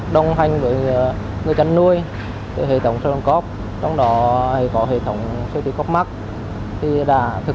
đồng hành với người chăn nuôi hệ thống sơ đoàn cóc trong đó có hệ thống sơ đoàn cóc mắc thì đã thực